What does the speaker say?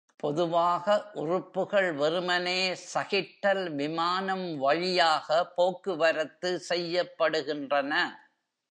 பொதுவாக, உறுப்புகள் வெறுமனே சகிட்டல் விமானம் வழியாக போக்குவரத்து செய்யப்படுகின்றன.